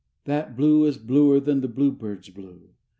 III What blue is bluer than the bluebird's blue!